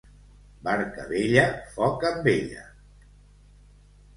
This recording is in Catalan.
Barca vella, foc amb ella.